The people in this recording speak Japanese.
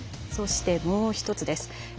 そして、もう１つです。